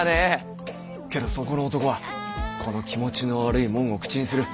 けどそこの男はこの気持ちの悪いもんを口にする。